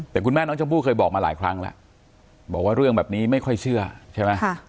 แต่คุณแม่น้องชมพู่เคยบอกมาหลายครั้งแล้วบอกว่าเรื่องแบบนี้ไม่ค่อยเชื่อใช่ไหม